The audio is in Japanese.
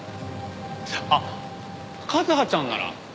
あっ和葉ちゃんなら。